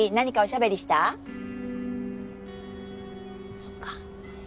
そっか。